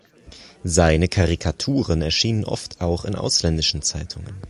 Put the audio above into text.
Seine Karikaturen erschienen oft auch in ausländischen Zeitungen.